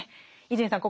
伊集院さん